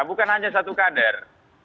bukan hanya satu kader